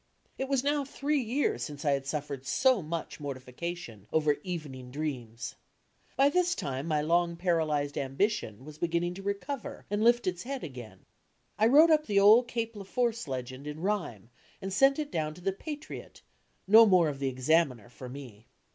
It was now three years since I had suffered so much mortification over "Evening Dreams." By this time my long tMu^yzed ambition was beginning to recover and lift its head again. I wrote up the old Cape Leforce legend in rhyme and sent it down home to the Patriot, no more of the Examiner for me!